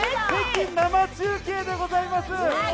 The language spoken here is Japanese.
北京、生中継でございます。